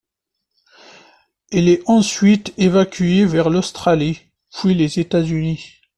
Il est ensuite évacué vers l'Australie, puis les États-Unis.